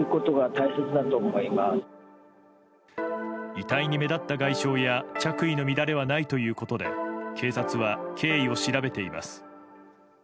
遺体に目立った外傷や着衣の乱れはないということで警察は経緯を調べています。